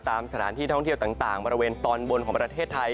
ตามสถานที่ท่องเที่ยวต่างบริเวณตอนบนของประเทศไทย